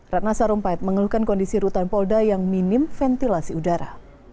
ratna sarumpait mengeluhkan kondisi rutan polda yang minim ventilasi udara